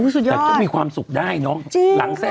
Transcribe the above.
๖๒อุ้ยสุดยอดแต่ก็มีความสุขได้น้อง